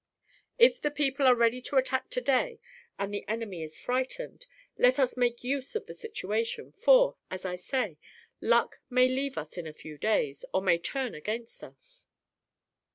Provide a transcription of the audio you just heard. If the people are ready to attack to day and the enemy is frightened, let us make use of the situation, for, as I say, luck may leave us in a few days, or may turn against us."